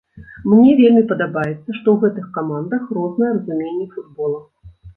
Мне вельмі падабаецца, што ў гэтых камандах рознае разуменне футбола.